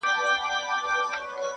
کښته پورته یې ځغستله لاندي باندي.!